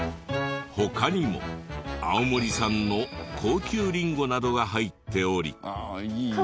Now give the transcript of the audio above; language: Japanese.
他にも青森産の高級リンゴなどが入っており。